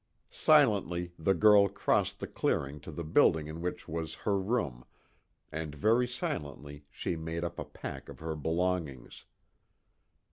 Silently the girl crossed the clearing to the building in which was her room, and very silently she made up a pack of her belongings.